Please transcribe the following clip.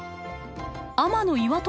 天岩戸